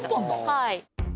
はい。